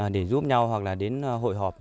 để giúp nhau hoặc là đến hội họp